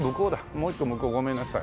もう一個向こうごめんなさい。